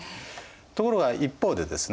ところが一方でですね